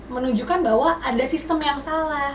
menunjukkan bahwa ada sistem yang salah